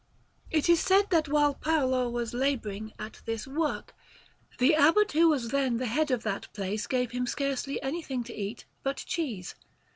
It is said that while Paolo was labouring at this work, the Abbot who was then head of that place gave him scarcely anything to eat but cheese.